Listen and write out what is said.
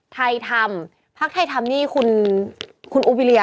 ๔๑ไทยธรรมภาคไทยธรรมนี่คุณอูปวิริยะ